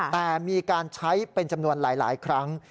แต่มีการใช้เป็นจำนวนหลายครั้ง